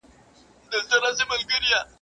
لا زر کلونه زرغونیږي ونه.